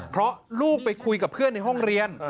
เพราะลูกไปคุยกับเพื่อนในห้องเรียน